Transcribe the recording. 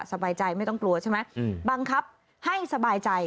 สบายใจไม่ต้องกลัวใช่ไหมบังคับให้สบายใจ